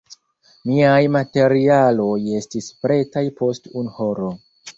Miaj materialoj estis pretaj post unu horo.